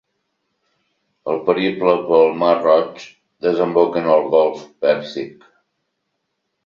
El periple pel Mar Roig desemboca en el Golf Pèrsic.